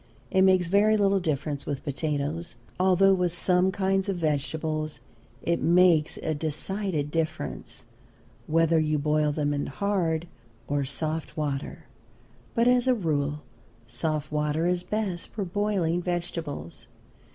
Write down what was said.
It makes very little difference with potatoes, although with some kinds of vegetables it makes a decided difference, whether you boil them in hard or soft water. But as a rule soft water is best for boiling vegetables.